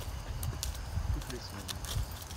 Toutes les semaines.